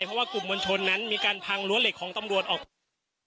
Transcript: เพราะว่ากลุ่มมวลชนนั้นมีการพังรั้วเหล็กของตำรวจออก